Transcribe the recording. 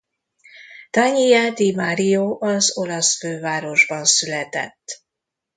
Tania Di Mario az olasz fővárosban született.